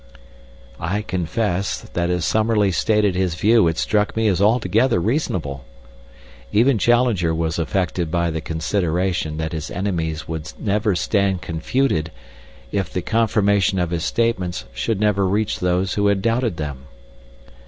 I confess that as Summerlee stated his view it struck me as altogether reasonable. Even Challenger was affected by the consideration that his enemies would never stand confuted if the confirmation of his statements should never reach those who had doubted them.